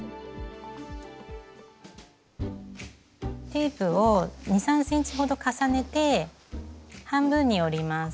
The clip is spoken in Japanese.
テープを２３ｃｍほど重ねて半分に折ります。